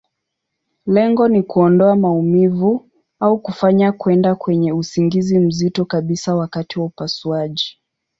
Lengo ni kuondoa maumivu, au kufanya kwenda kwenye usingizi mzito kabisa wakati wa upasuaji.